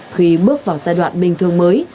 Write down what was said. khi bước vào giai đoạn bình thường mới